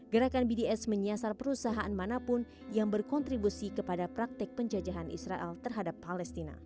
gerakan bds menyasar perusahaan manapun yang berkontribusi kepada praktek penjajahan israel terhadap palestina